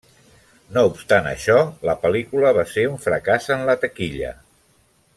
No obstant això, la pel·lícula va ser un fracàs en la taquilla.